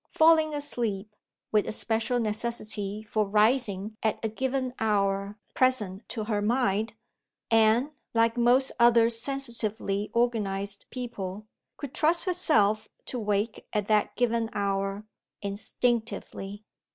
Falling asleep, with a special necessity for rising at a given hour present to her mind, Anne (like most other sensitively organized people) could trust herself to wake at that given hour, instinctively.